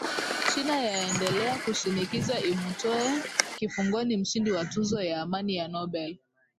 china ya endelea kushinikiza imutoe kifungoni mshindi wa tuzo ya amani ya nobel